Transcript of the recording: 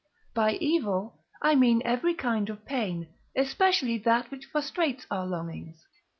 By evil, I mean every kind of pain, especially that which frustrates our longings.